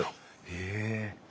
へえ。